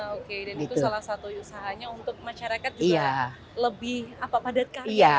oke dan itu salah satu usahanya untuk masyarakat juga lebih padat karya